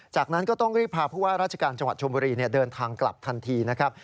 จากนั้นก็ต้องรีบพาผู้ว่าราชการจังหวัดชมบุรีเดินทางกลับทันทีนะครับ